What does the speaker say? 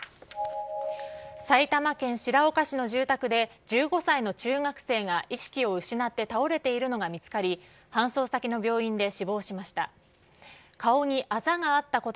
埼玉県白岡市の住宅で、１５歳の中学生が意識を失って倒れているのが見つかり、搬送先の病院で死亡しました。